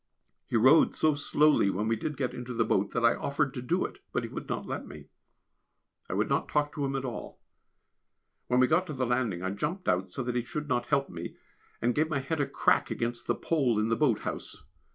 He rowed so slowly when we did get into the boat that I offered to do it, but he would not let me. I would not talk to him at all. When we got to the landing I jumped out so that he should not help me, and gave my head a crack against the pole in the boat house.